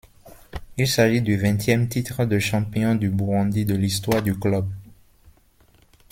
Il s’agit du vingtième titre de champion du Burundi de l’histoire du club.